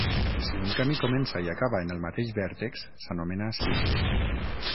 Si un camí comença i acaba en el mateix vèrtex s'anomena cicle.